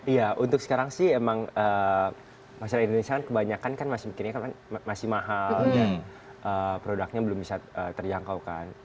iya untuk sekarang sih emang masyarakat indonesia kebanyakan kan masih mahal produknya belum bisa terjangkau kan